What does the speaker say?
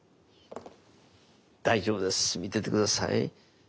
大丈夫です見てて下さい。